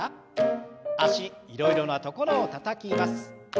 脚いろいろなところをたたきます。